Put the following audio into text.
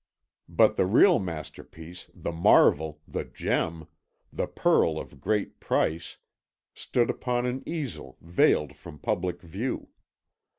But the real masterpiece, the marvel, the gem, the pearl of great price, stood upon an easel veiled from public view.